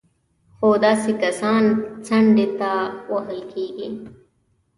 خو داسې کسان څنډې ته وهل کېږي